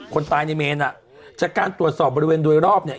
คนตายในเมนอ่ะจากการตรวจสอบบริเวณโดยรอบเนี่ย